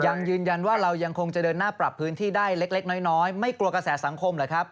ยังยืนยันว่าเรายังคงจะเดินหน้าปรับพื้นที่ได้เล็กน้อยไม่กลัวกระแสสังคมเหรอครับ